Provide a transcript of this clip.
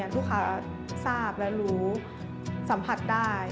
ลูกค้าทราบและรู้สัมผัสได้